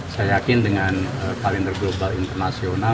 saya yakin dengan kalender global internasional